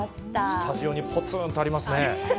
スタジオにぽつんとありますね。